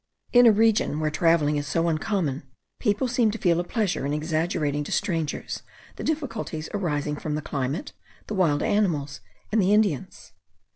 In a region where travelling is so uncommon, people seem to feel a pleasure in exaggerating to strangers the difficulties arising from the climate, the wild animals, and the Indians.